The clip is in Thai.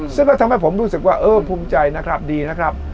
ซึ่งก็ทำให้ผมรู้สึกว่าเออภูมิใจนะครับดีนะครับ